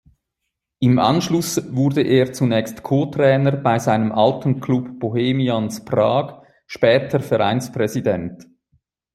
Im Anschluss wurde er zunächst Co-Trainer bei seinem alten Klub Bohemians Prag, später Vereinspräsident.